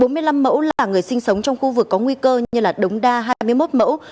bốn mươi năm mẫu là người sinh sống trong khu vực có nguy cơ như đống đa hai mươi một mẫu